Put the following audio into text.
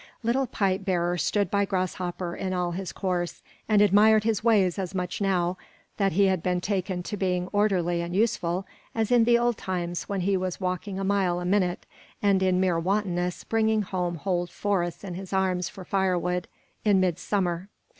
Little Pipe hearer stood by Grasshopper in all his course, and admired his ways as much now that he had taken to being orderly and useful, as in the old times when he was walking a mile a minute, and in mere wantonness bringing home whole forests in his arms for fire wood, in midsummer.